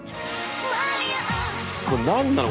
これ何なの？